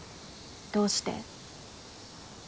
どうして？